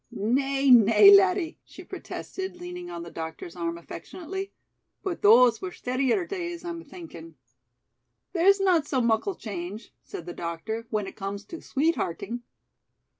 "Nay, nay, laddie," she protested, leaning on the doctor's arm affectionately, "but those were steadier days, I'm thinking." "There's not so muckle change," said the doctor, "when it comes to sweethearting."